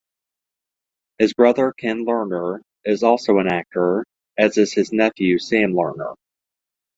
His brother, Ken Lerner, is also an actor, as is his nephew, Sam Lerner.